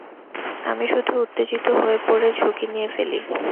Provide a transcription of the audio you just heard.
আমি শুধু উত্তেজিত হয়ে পড়ে ঝুঁকি নিয়ে ফেলি।